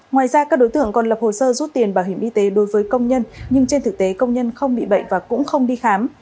ngoài ra các đối tượng còn lập hồ sơ rút tiền bảo hiểm y tế đối với công nhân nhưng trên thực tế công nhân không bị bệnh và cũng không đi khám